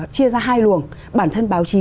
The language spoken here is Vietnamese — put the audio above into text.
chia ra hai luồng bản thân báo chí